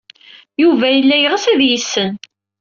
Yuba yella yeɣs ad iyi-yessen.